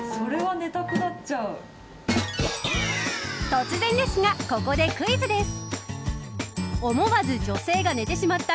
突然ですがここでクイズです。